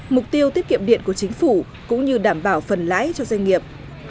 mục tiêu tiết kiệm điện của chính phủ cũng như đảm bảo phần lãi cho doanh nghiệp